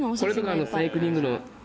これとかサイクリングの。